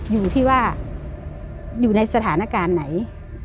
อยู่ที่ว่าอยู่ในสถานการณ์ไหน